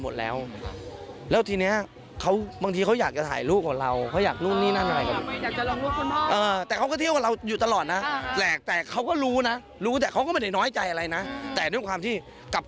เดี๋ยวไปฟังกันเลยค่ะ